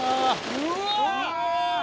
うわ。